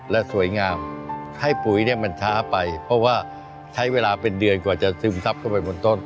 และสวยงามให้ปุ๋ยเนี่ยมันช้าไปเพราะว่าใช้เวลาเป็นเดือนกว่าจะซึมซับเข้าไปบนต้น